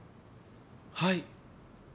はい。